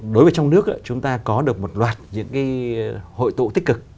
đối với trong nước chúng ta có được một loạt những cái hội tụ tích cực